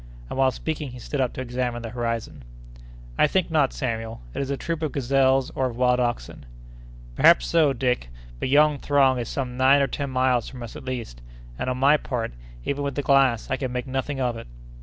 and while speaking he stood up to examine the horizon. "I think not, Samuel; it is a troop of gazelles or of wild oxen." "Perhaps so, Dick; but yon throng is some nine or ten miles from us at least, and on my part, even with the glass, I can make nothing of it!"